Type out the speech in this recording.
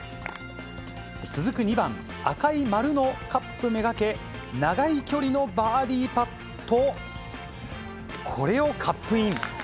続く２番、赤い丸のカップ目がけ、長い距離のバーディーパット、これをカップイン。